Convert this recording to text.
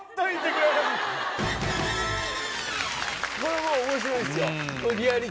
これも面白いですよ。